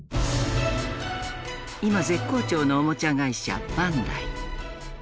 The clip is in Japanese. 今絶好調のおもちゃ会社バンダイ。